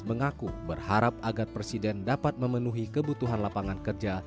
mengaku berharap agar presiden dapat memenuhi kebutuhan lapangan kerja